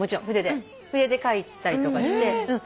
筆で書いたりとかして。